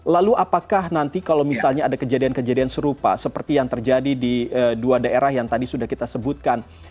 lalu apakah nanti kalau misalnya ada kejadian kejadian serupa seperti yang terjadi di dua daerah yang tadi sudah kita sebutkan